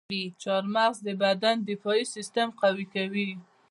چارمغز د بدن دفاعي سیستم قوي کوي.